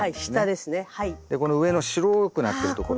でこの上の白くなってるとこ。